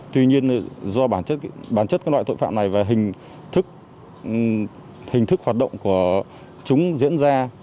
tuy nhiên do bản chất các loại tội phạm này và hình thức hoạt động của chúng diễn ra